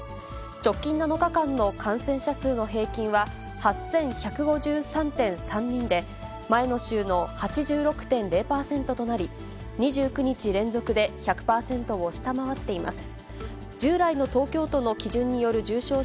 直近７日間の感染者数の平均は８１５３．３人で、前の週の８６．０％となり、２９日連続で１００％を下回っています。